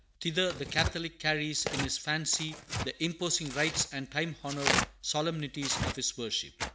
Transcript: Thither the Catholic carries in his fancy the imposing rites and time honored solemnities of his worship.